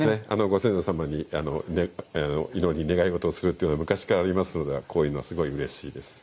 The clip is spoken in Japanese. ご先祖様に祈り願い事をするというのは昔からありますのでこういうのはすごいうれしいです。